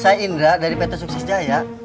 saya indra dari pt sukses jaya